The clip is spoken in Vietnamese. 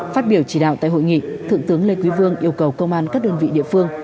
phát biểu chỉ đạo tại hội nghị thượng tướng lê quý vương yêu cầu công an các đơn vị địa phương